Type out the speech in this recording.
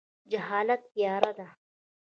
جهالت تیاره ده